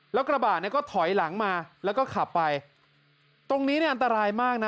แล้วกระบะเนี่ยก็ถอยหลังมาแล้วก็ขับไปตรงนี้เนี่ยอันตรายมากนะ